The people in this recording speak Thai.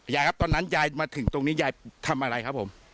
ยายครับตอนนั้นยายมาถึงตรงนี้ยายทำอะไรครับผม